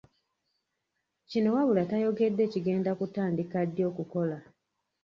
Kino wabula tayogedde kigenda kutandika ddi okukola.